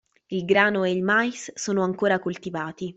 Il grano e il mais sono ancora coltivati.